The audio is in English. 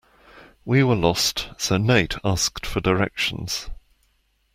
We were lost, so Nate asked for directions.